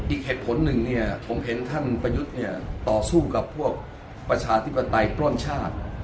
อีกเหตุผลหนึ่งเนี่ยผมเห็นท่านประยุทธ์เนี่ยต่อสู้กับพวกประชาธิปไตยปล้นชาติ